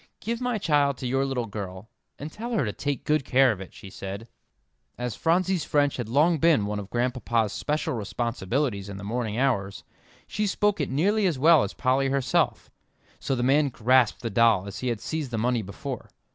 "Give my child to your little girl, and tell her to take good care of it," she said. As Phronsie's French had long been one of Grandpapa's special responsibilities in the morning hours, she spoke it nearly as well as Polly herself, so the man grasped the doll as he had seized the money before.